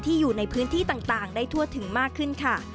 อยู่ในพื้นที่ต่างได้ทั่วถึงมากขึ้นค่ะ